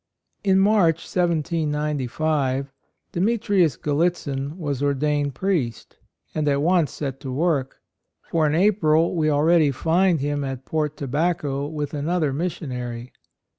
In March, 1795, Demetrius Gallitzin was ordained priest, and at once set to work; for in April we already find him at Port Tobacco with another missionary.